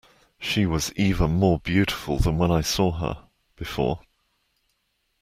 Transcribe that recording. She was even more beautiful than when I saw her, before.